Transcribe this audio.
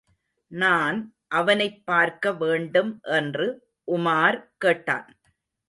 நான் அவனைப் பார்க்க வேண்டும் என்று உமார் கேட்டான்.